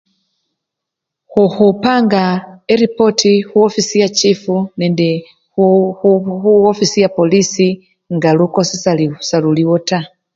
Khukhupanga eripota khu offici ya chifu nende khu! khu! offici ya polisii nga lukosi se! selulikho taa.